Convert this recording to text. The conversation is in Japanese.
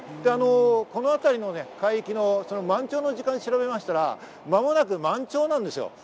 このあたりの海域の満潮の時間を調べましたら、間もなく満潮なんです。